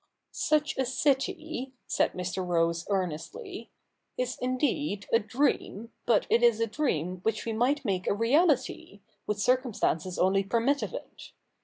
'Such a city,' said ^Nlr. Rose earnestly, 'is indeed a dream, but it is a dream which we might make a reality, would circumstances only permit of it.